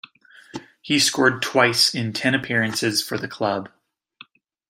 He scored twice in ten appearances for the club.